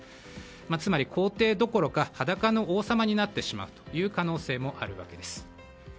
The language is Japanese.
つまり、皇帝どころか裸の王様になってしまう可能性もあるわけです。